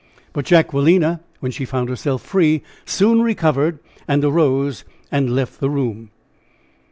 But Jacquelina, when she found herself free, soon recovered, and arose and left the room.